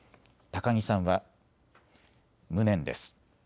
高木さんは、無念です。